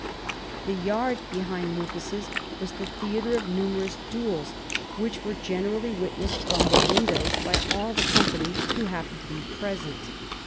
The yard behind Lucas's was the theatre of numerous duels, which were generally witnessed from the windows by all the company who happened to be present.